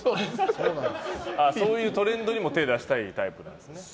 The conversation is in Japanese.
そういうトレンドにも手を出したいんですね。